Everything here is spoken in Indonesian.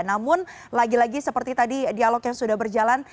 namun lagi lagi seperti tadi dialog yang sudah berjalan